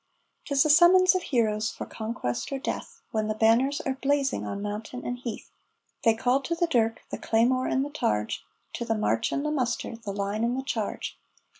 'Tis the summons of heroes for conquest or death, When the banners are blazing on mountain and heath; They call to the dirk, the claymore and the targe, To the march and the muster, the line and the charge.